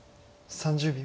３０秒。